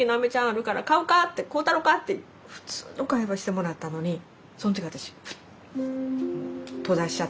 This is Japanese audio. あるから買うか？」って「買うたろか」って普通の会話してもらったのにその時私ふっと閉ざしちゃって。